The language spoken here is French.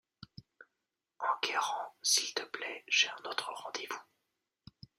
Enguerrand, s’il te plaît, j’ai un autre rendez-vous.